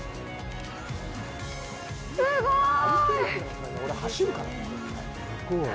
すごい！